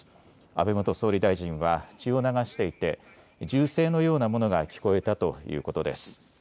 安倍元総理大臣は血を流していて銃声のようなものが聞こえたということです。